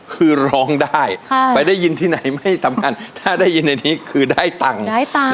คือร้องได้ไปได้ยินที่ไหนไม่สำคัญถ้าได้ยินในนี้คือได้ตังค์